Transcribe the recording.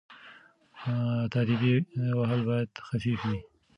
تاديبي وهل باید خفيف وي.